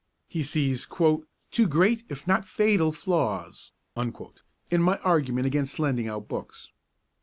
He sees 'two great, if not fatal, flaws' in my argument against lending out books.